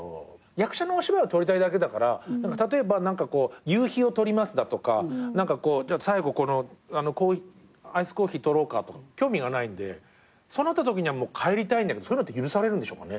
役者のお芝居を撮りたいだけだから例えば夕日を撮りますだとか最後このアイスコーヒー撮ろうかとか興味がないんでそうなったときにはもう帰りたいんだけどそういうのって許されるんでしょうかね。